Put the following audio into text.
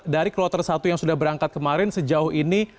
dari kloter satu yang sudah berangkat kemarin sejauh ini